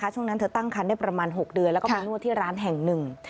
ช่วงนั้นเธอตั้งคันได้ประมาณ๖เดือนแล้วก็ไปนวดที่ร้านแห่งหนึ่ง